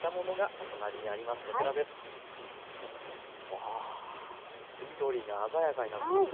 わあ緑が鮮やかになってますね。